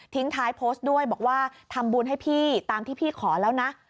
ท้ายโพสต์ด้วยบอกว่าทำบุญให้พี่ตามที่พี่ขอแล้วนะ